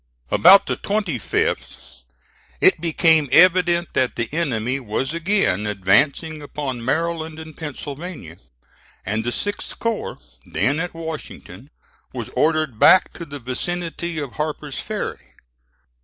About the 25th it became evident that the enemy was again advancing upon Maryland and Pennsylvania, and the 6th corps, then at Washington, was ordered back to the vicinity of Harper's Ferry.